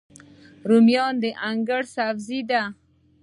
رومیان د انګړ سبزي ده